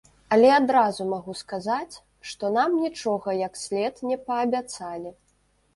Але адразу магу сказаць, што нам нічога як след не паабяцалі.